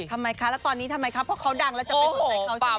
ทำไมคะแล้วตอนนี้ทำไมคะเพราะเขาดังแล้วจะไปสนใจเขาจริง